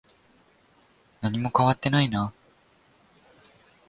何も変わっていないな。